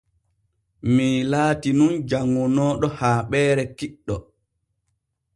Mii laatin nun janŋunooɗo haaɓeere kiɗɗo.